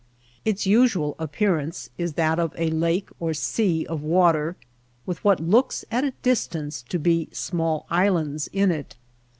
Its usual appearance is that of a lake or sea of water with what looks at a dis tance to be small islands in it.